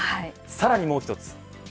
さらにもう一つ。